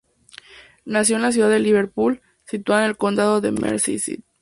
Nació en la ciudad de Liverpool, situada en el condado de Merseyside.